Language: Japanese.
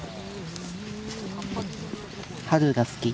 春が好き。